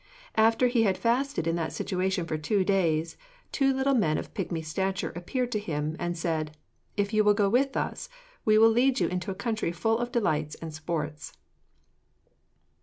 After he had fasted in that situation for two days, 'two little men of pigmy stature appeared to him,' and said, 'If you will go with us, we will lead you into a country full of delights and sports.'